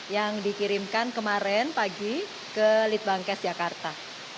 yang dikirimkan kemarin pagi ke litbangkes jakarta